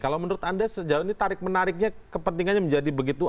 kalau menurut anda sejauh ini tarik menariknya kepentingannya menjadi begitu